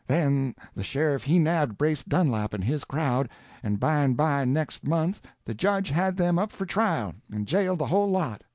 Then the sheriff he nabbed Brace Dunlap and his crowd, and by and by next month the judge had them up for trial and jailed the whole lot.